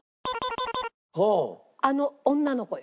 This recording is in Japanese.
あの女の子よ。